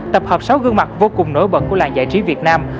tập hợp sáu gương mặt vô cùng nổi bật của làng giải trí việt nam